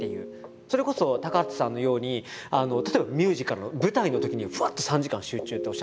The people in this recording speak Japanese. それこそ高畑さんのように例えばミュージカルの舞台のときにぶわっと３時間集中っておっしゃってたじゃないですか。